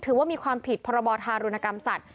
ถือว่ามีความผิดพรบธารุณกรรมสัตว